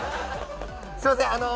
すみません。